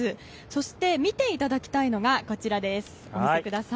そして、見ていただきたいのがこちらです。